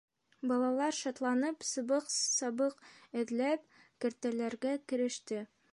Балалар шатланып, сыбыҡ-сабыҡ эҙләп, кәртәләргә кереште.